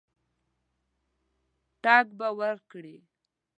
ټګ به ورکړي.